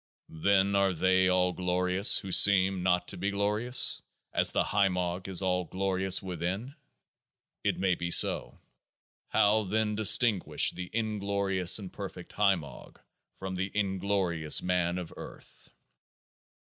Then are they all glorious who seem not to be glorious, as the HIMOG is All glorious Within? It may be so. How then distinguish the inglorious and per fect HIMOG from the inglorious man of earth?